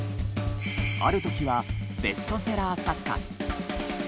ある時はベストセラー作家。